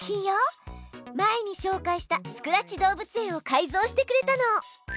前にしょうかいしたスクラッチ動物園を改造してくれたの。